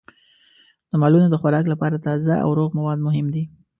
د مالونو د خوراک لپاره تازه او روغ مواد مهم دي.